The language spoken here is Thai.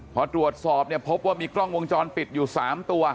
พอตรวจสอบเนี่ยพบว่ามีกล้องวงจรปิดอยู่๓ตัว